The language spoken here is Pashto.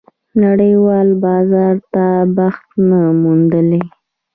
نړېوال بازار ته بخت نه موندلی.